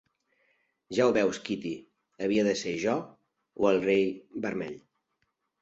Ja ho veus, Kitty, havia de ser jo o el Rei vermell.